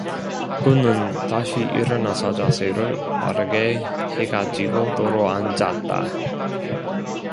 그는 다시 일어나서 자세를 바르게 해가지고 도로 앉았다.